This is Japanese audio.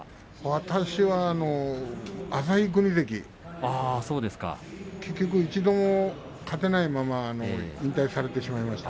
私は旭國関結局一度も勝てないまま引退されてしまいました。